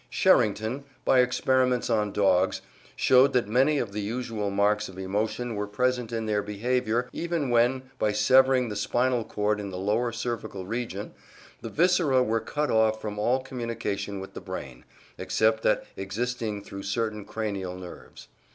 Sherrington, by experiments on dogs, showed that many of the usual marks of emotion were present in their behaviour even when, by severing the spinal cord in the lower cervical region, the viscera were cut off from all communication with the brain, except that existing through certain cranial nerves.